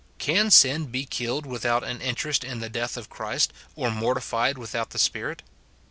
Can sin be killed without an interest in the death of Christ, or mortified without the Spirit